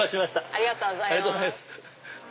ありがとうございます！